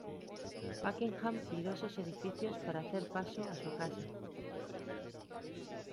Buckingham tiró estos edificios para hacer paso a su casa.